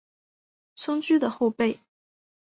松驹的后辈。